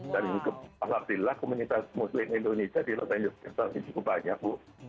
dan alhamdulillah komunitas muslim indonesia di negara indonesia ini cukup banyak